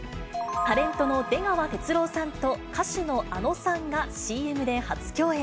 タレントの出川哲朗さんと歌手のあのさんがＣＭで初共演。